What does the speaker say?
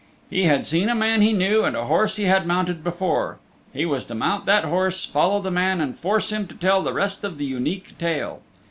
He had seen a man he knew and a horse he had mounted before. He was to mount that horse, follow the man, and force him to tell the rest of the Unique Tale.